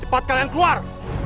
cepat kalian keluar